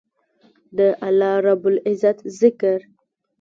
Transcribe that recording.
د الله رب العزت ذکر